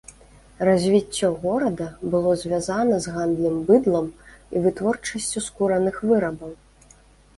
Развіццё горада было звязана з гандлем быдлам і вытворчасцю скураных вырабаў.